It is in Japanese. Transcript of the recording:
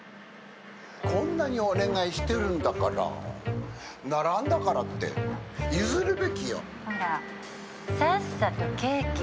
こんなにお願いしてるんだから並んだからって譲るべきよ。